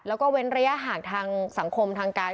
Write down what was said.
แล้วก็เว้นระยะห่างทางสังคมทางการ